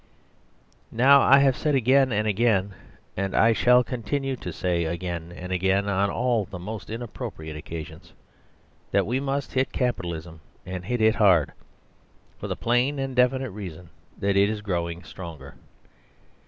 Now I have said again and again (and I shall continue to say again and again on all the most inappropriate occasions) that we must hit Capitalism, and hit it hard, for the plain and definite reason that it is growing stronger.